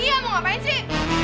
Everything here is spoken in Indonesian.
iya mau ngapain sih